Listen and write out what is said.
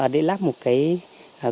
để lắp một cái covid một mươi chín